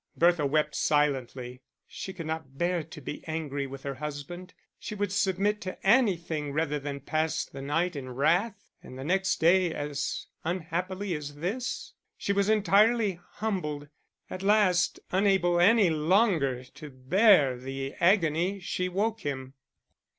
Bertha wept silently; she could not bear to be angry with her husband. She would submit to anything rather than pass the night in wrath, and the next day as unhappily as this. She was entirely humbled. At last, unable any longer to bear the agony, she woke him.